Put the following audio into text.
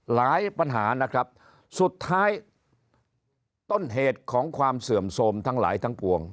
หลายปัญหานะครับสุดท้ายต้นเหตุของความเสื่อมโทรมทั้งหลายทั้งปวง